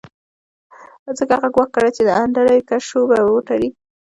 ځکه هغه ګواښ کړی و چې د انډریو کشو به وتړي